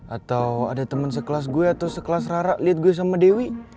atau ada teman sekelas gue atau sekelas rara lihat gue sama dewi